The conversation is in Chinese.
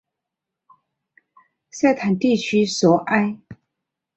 塞坦地区索埃。